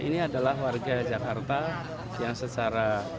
ini adalah warga jakarta yang secara